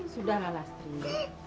sudahlah lastri ibu